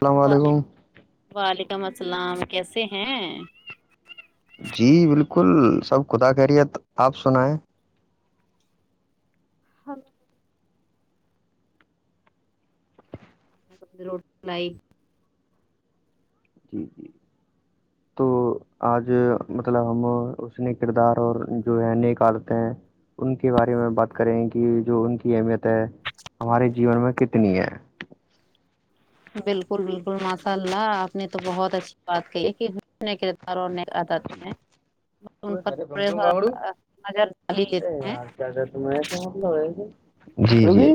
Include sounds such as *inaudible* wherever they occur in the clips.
السلام علیکم وعلیکم السلام کیسے ہیں جی بالکل سب خدا خیریت آپ سنائیں ہاں *unintelligible* *inaudible* روڈ لائی *inaudible* جی جی تو آج مطلب ہم اس نے کردار اور جو ہے نکالتے ہیں ان کے بارے میں بات کریں کہ جو ان کی اہمیت ہے ہمارے جیون میں کتنی ہے بلکل بلکل ماساء اللہ آپ نے تو بہت اچھی بات کہ ہے کہنے کرداروں نےد ہیں *inaudible* ان پر تھوڑے ہو نظر ڈال ہی لیتے ہیں ایسے مطلب ایسے ہی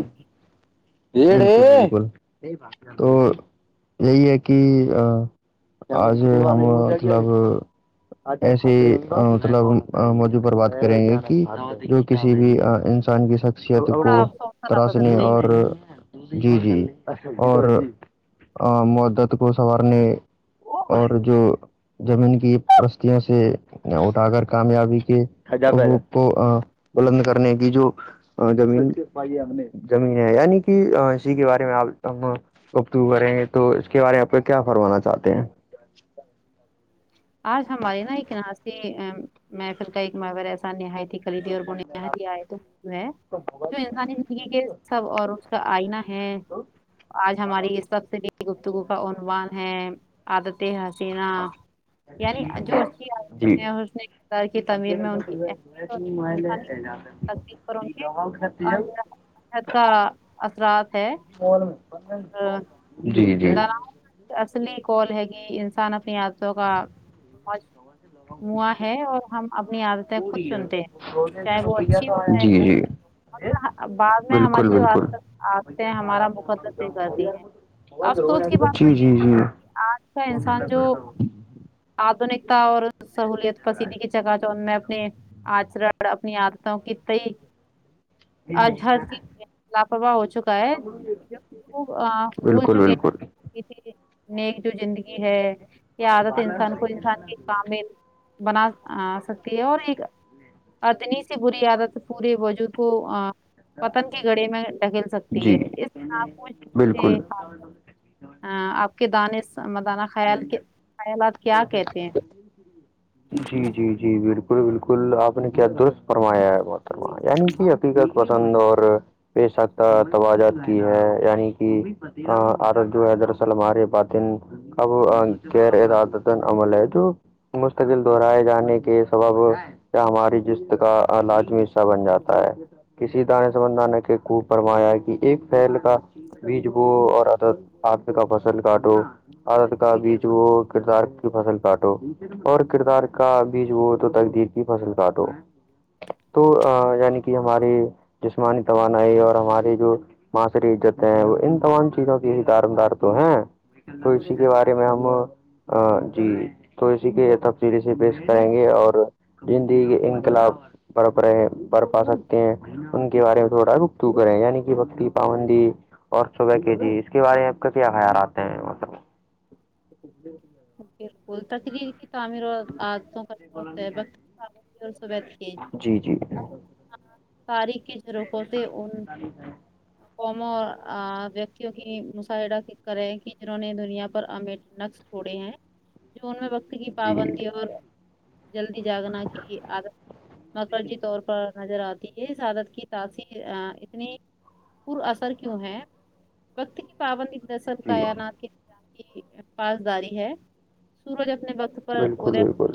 تو یہی ہے کہ آج ہم مطلب ایسے مطلب موضوع پر بات کریں گے کہ جو کسی بھی انسان کی شخصیت کو تھوڑا افسوس رابہ سے تراشنے دور ہو اور جی جی اور مدت کو سنوارنے اور جو زمین کی پرستیوں سے اٹھا کر کامیابی کے کو بلند کرنے کی جو زمین زمین ہے یعنی اسی کے بارے میں آپ ہم گفتگو کریں گے تو اس کے بارے میں آپ کو کیا فرمانا چاہتے ہیں آج ہماری نا ایک یہاں سے محفل کا ایک مگر ایسا نہایتھی لی دیا اور ان نے لیائے تو جو ہے *unintelligible* جو انسانی یہ کہ سب اور اس کا آئنا ہے آج ہماری اس ہفتے کی گفتگو کا عنوان ہے عادت حسینا یعنی جو اچھی جی عادتیں ہیں حسن کردار کی تعمیر میں ان کی اہمیت اور انسانی تصدیق پہ ان کے اور انٹرنیٹ کا اثرات ہے اور جی جی ڈراؤ اصلی قول ہے کہ انسان اپنی عادتوں کا موج موا ہے اور ہم اپنی عادتیں خود چنتے ہیں چاہے وہ اچھی ہو چاہے جی وہ جی بری ہو مگر بعد میں بالکل ہماری جو بالکل عادتے ہیں ہمارا مقدر کرتی ہیں افسوس کی بات تو جی یہ جی ہے جی کہ آج کا انسان جو آدھنکتا اور سہولت کا *unintelligible* پسیدی کی چکا چوند میں اپنے آچرن اپنی عادتوں کے تائی ا م *unintelligible* لاپرواہ ہو چکا ہے جو وہ بھول بالکل چکے بالکل ہیں کسی نے جو زندگی ہے یہ عادت با انسان سر کو ج انسان کے *unintelligible* کامل بنا آ سکتی ہو اور ایک اتنی سی بری عادت پورے وجود کو پتن کی گڑے میں دھکیل سکتی ہے جی اس میں آپ کو بالکل آپ کے دانے دانہ خیال کہ خیالات کیا کہتے ہیں *inaudible* جی جی جی بالکل بالکل آپ نے کیا درست فرمایا ہے محترمہ یعنی کہ اب حقیقت پسند اور پیشکت توجات کی ہے یعنی کہ عادت جو ہے دراصل ہمارے باطن اب غیر ارادتن عمل ہے تو مستقل دہرائے جانے کے سبب ہماری جست کا لازمی حصہ بن جاتا ہے کسی دانے سبندان کے خوب فرمایا کہ ایک پہل کا بیج بو اور ادر آد کا فصل کاٹو عادت کا بیچ وہ کردار کی فصل کاٹو اور کردار کا بیج بو تو تقدیر کی فصل کاٹو تو یعنی کہ ہماری جسمانی توانائی اور ہماری جو ماںشری عزت ہیں وہ ان تمام چیزوں کی ہی دار مدار تو ہیں تو بالکل اسی کے بارے میں ہم جی تو اسی کے تفصیل سے پیش کریں گے اور زندگ کے انقلاب برف رہے برپا سکتے ہیں ان کے بارے میں تھوڑا گفتگو کرے یعنی کہ وقتی پابندی اور صبح کے جی اس کے بارے میں آپ کا کیا خیال آتے ہیں مطلب بلکل تقدیر کی تعمیر اور عادت *inaudible* جی جی *inaudible* قوموں ویکتیوں کی مشاہدہ کرے کہ جنہوں نے دنیا پر محنت چھوڑیں ہیں *inaudible* جون میں وقت کی جی پابندی اور جلدی جاگنا کی آدت مرکزی طور پر نظر آتی ہے سادت کی تاثیر اتنی پور اثر کیوں ہے وقت کی پابندی دراصل جی کائنات کی کی پاسداری ہے سورج اپنے وقت پر بالکل بالکل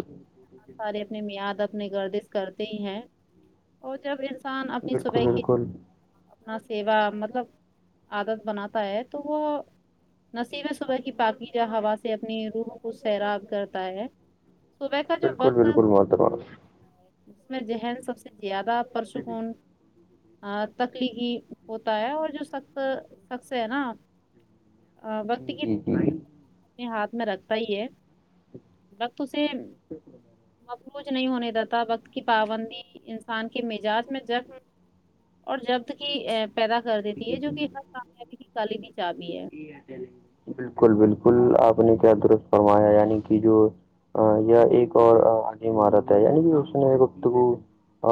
ستارے اپنے میاد اپنے گردش کرتے ہیں اور جب انسان اپنی بالکل صبح کی بالکل اپنا سیوا مطلب آدت بناتا ہے تو وہ نصیبہ صبح کی پاکیزہ ہوا سے اپنی روح کو سیراب کرتا ہے صبح کا جو بالکل وقت بالکل محترم اس میں ذہن سب سے زیادہ پرسکون تک تخلیقی ہوتا ہے اور جو سخت سخت ہے نا وقت کی جی کنجی جی اپنے ہاتھ میں رکھتا ہی ہے وقت اسے مفلوج نہیں ہونے دیتا وقت کی پابندی انسان کے مزاج میں نظم اور ضبط کی پیدا کر دیتی ہے جو کہ ہر کامیابی کی کلیدی چابی ہے بالکل بالکل آپ نے کیا درست فرمایا یعنی کہ جو یا ایک اور آدھی عمارت ہے یعنی کہ اس نے وقت کو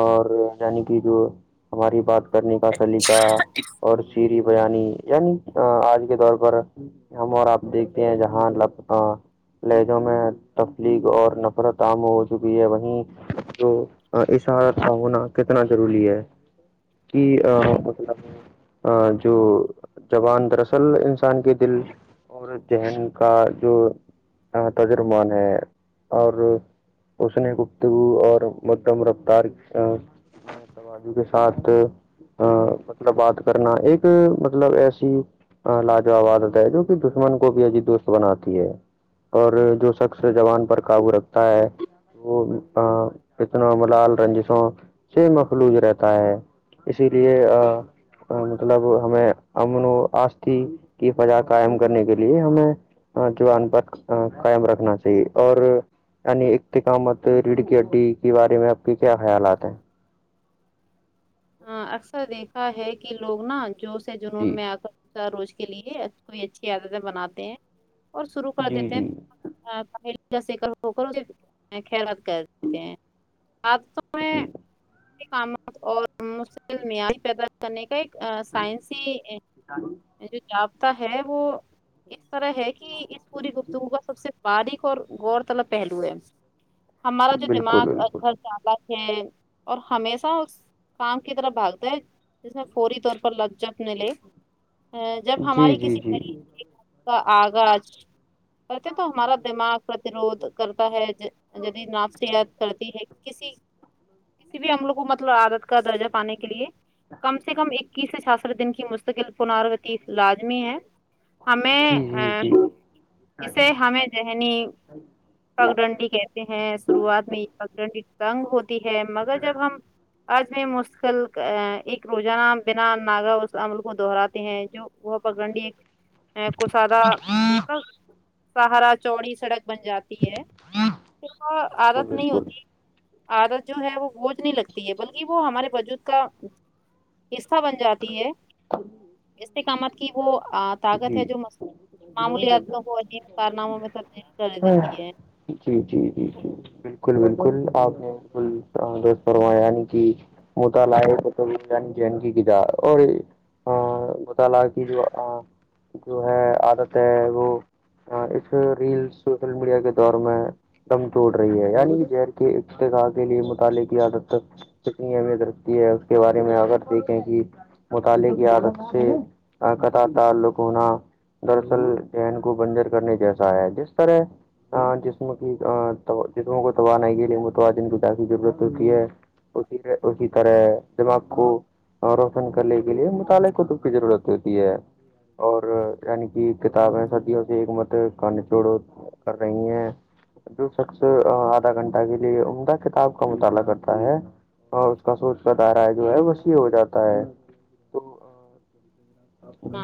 اور یعنی کی جو ہماری بات کرنے کا سلیقہ اور شیرین بیانی یعنی آج کے دور پر ہم اور آپ دیکھتے ہیں جہاں لاپتا لہجوں میں تفلیغ اور نفرت عام ہو چکی ہے وہیں جو اس حالت کا ہونا کتنا ضروری ہے کہ مطلب جو زبان دراصل انسان کے دل اور ذہن کا جو ترجمان ہے اور اس نے گفتگو اور مدم رفتار کے ساتھ مطلب بات کرنا ایک مطلب ایسی لاجواب عادت ہے جو کہ دشمن کو بھی عجی دوست بناتی ہے اور جو شخص زبان پر قابو رکھتا ہے وہ فتنوں ملال رنجشوں سے مخلوج رہتا ہے اسی لیے مطلب ہمیں امن و آشتی کی فضا قائم کرنے کے لیے ہمیں زبان پر قائم رکھنا چاہیے اور یعنی اختقامت ریڑھکٹی کے بارے میں آپ کے کیا خیالات ہیں ہاں اکثر دیکھا ہے کہ لوگ نا جوش سے جنون جی میں آ کر روز کے لیے اس کو بھی اچھی عادتیں بناتے ہیں اور شروع کر جی دیتے ہیں جی پہل جیسے کرو کرو نہیں خیرات کرتے ہیں آپ سے جی میں کام اور مشکل معیاری پیدا کرنے کا ایک سائنسی جو جابتا ہے وہ اس طرح ہے کہ اس پوری گفتگو کا سب سے باریک اور غور طلب پہلو ہے ہمارا جو بالکل دماغ بالکل گھر ال *unintelligible* اور ہمیشہ اس کام کی طرح بھگتے ہے جس میں فوری طور پر لگ جن ملے ا جب جی ہماری جی کسی جی نئی کا آغاز کرتے تو ہمارا دماغ پرتروھ کرتا ہے جدید نافسیات کرتی ہے کسی کسی بھی عملوں کو مطلب عادت کا درجہ پانے کے لیے کم سے کم اکیس سے چھیاسٹھ دن کی مستقل پناروتی لازمی ہے ہمیں جی جی ا جی بالکل اسے ہمیں ذہنی پگڈنڈی کہتے ہیں شروعات میں یہ پگڈنڈی تنگ ہوتی ہے مگر جب ہم آج میں مشقل ایک روزانہ بنا ناگا اس عمل کو دہراتے ہیں جو وہ پگنڈی ایک ہے کشادہ مطلب سہارا چوڑی سڑک بن جاتی تو عادت نہیں بالکل ہوتی عادت جو ہے وہ بوجھ نہیں لگتی ہے بلکہ وہ ہمارے وجود کا حصہ بن جاتی ہے استقامت کی وہ طاقت ہے جو جی معمولیاتوں کو عجیب کارناموں میں تبدیل کر دیتی ہے جی جی جی جی بالکل بالکل آپ نے بالکل فرما یعنی کہ مطالعے ان جن کی کیتا اور بتالا کہ جو اب جو ہے عادت ہے وہ ہاں اس ریل سوشل میڈیا کے دور میں دن توڑ رہی ہے یعنی کہ زیر کے افتقاح کے لیے مطالعے کی عدت تک کتنی اہمیت رکھتی ہے اس کے بارے میں آ اگر دیکھیں کہ تالے کی عادت سے تا قت تعلق ہونا دراصل ذہن کو بنجر کرنے جیسا ہے جس طرح جسم کی جسموں کو توانائی کے لیے متوازن غذا کی ضرورت ہوتی ہے اسی اسی طرح دماغ کو روشن کر لے اسی لیے مطالعے کتب کی ضرورت ہوتی ہے اور یعنی کہ کتابیں سدیا سے ایک مت کن چھوڑو کر رہی ہیں جو شخص آدھا گھنٹہ کے لیے عمدہ کتاب کا مطالعہ کرتا ہے ہاں اس کا سوچ کا دائرہ جو ہے وسیع ہو جاتا ہے تو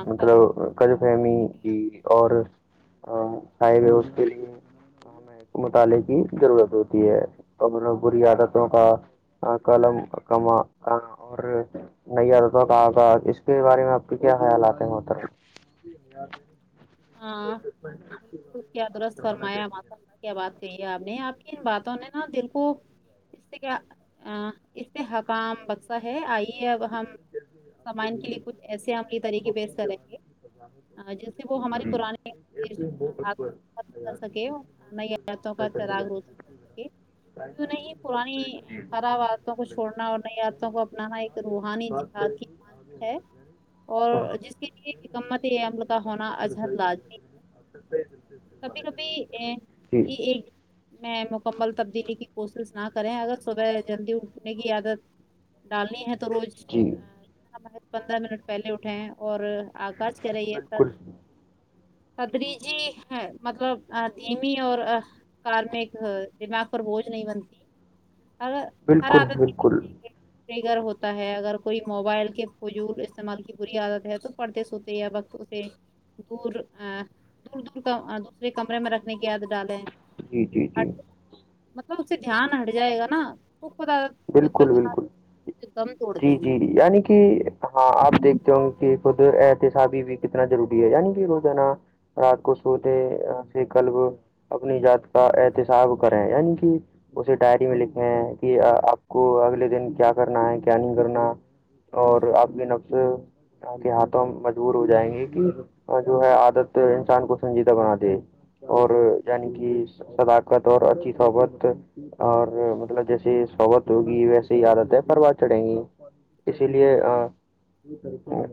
مطلب ق فہمی کی اورائے گئے اس کے لیے ہمیں مطالعے کی ضرورت ہوتی ہے اور ان بری عادتوں کا قلم کما اور نیئ عادتوں کا آغاز اس کے بارے میں آپ تو کیا خیالات ہیں وہ ہاں بالکل کیا درست فرمایا ماشاءاللہ کیا بات کہی ہے آپ نے آپ کی ان باتوں نے نا دل کو اس سے کیا اس سے حکام ہے آئیے اب ہم سامعین کے لیے کچھ ایسے عملی طریقے پیش کر ے گے باہ بنا *inaudible* *inaudible* نہیں پرانی *inaudible* خراب عادتوں کو چھوڑنا اور نئی عادتوں کو اپنانا ایک روحانی دیہات کی مانند ہے اور جس کے لے حکمت عمل کا ہونا ازہد لازمی ہے کبھی کبھی جی یہ ایک میں مکمل تبدیلی کی کوشش نہ کریں اگر صبح جلدی اٹھنے کی عادت ڈالنی ہے تو روز جی پندرہ منٹ پہلے اٹھے اور آکش کرے یہ سر بالکل سدری جی ہے مطلب دھیمی اور کار میں ایک دماغ پر بوج نہیں بنتی بالکل بالکل فگر ہوتا ہے اگر کوئی موبائل کے فضول استعمال کی بری عادت ہے تو پڑھتے سوتے سے دور دور دور کا دوسرے کمرے میں رکھنے کی عادت ڈالیں جی جی جی مطلب اس سے دھیان ہٹ جائے گا نا تو خد بالکل بالکل دیں جی جی گی یعنی کہ ہاں آپ دیکھ کیونکہ خد احتسابی بھی کتنا ضروری ہے یعنی کہ روزانہ رات کو سوتے ہیں پھر کل اپنی ذات کا احتساب کریں یعنی کہ اسے ڈائری میں لکھیں کہ آپ کو اگلے دن کیا کرنا ہے کیا نہیں کرنا اور آپ کے نفس کے ہاتھوں مجبور ہو جائیں گے کہ اور جو ہے عادت انسان کو سنجیدہ بنا دے اور یعنی کہ صداقت اور اچھی صحبت اور مطلب جیسے ہی صحبت ہوگی ویسے ہی عادت ہے پروان چڑھیں گی اسی لیے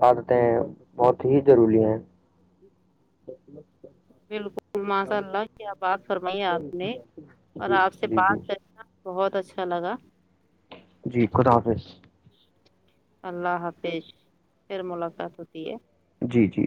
عادتیں بہت ہی ضروری ہیں س *inaudible* بالکل ماشاء اللہ کیا بات فرمائی آپ نے اور جی آپ سے جی جی بات کرکے بہت اچھا لگا جی خدا حافظ اللہ حافظ پھر ملاقات ہوتی ہے جی جی